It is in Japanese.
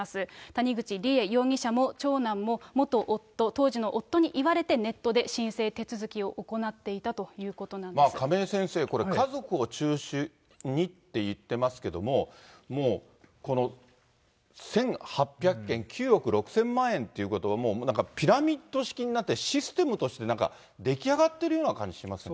谷口梨恵容疑者も、長男も、元夫、当時の夫に言われてネットで申請手続きを行っていたということな亀井先生、これ、家族を中心にって言ってますけども、もうこの１８００件、９億６０００万円ということは、ピラミッド式になって、システムとしてなんか、出来上がってるような感じしません？